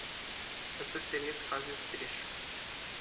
A Passaredo faz esse trecho.